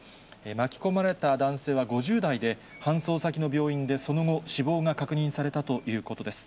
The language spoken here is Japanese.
巻き込まれた男性は５０代で、搬送先の病院でその後、死亡が確認されたということです。